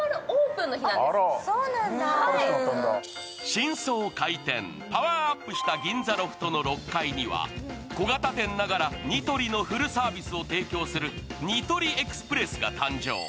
新装開店、パワーアップした銀座ロフトの６階には小型店ながらニトリのフルサービスを提供するニトリＥＸＰＲＥＳＳが誕生。